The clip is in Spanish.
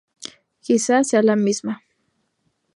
Quizás sea la misma.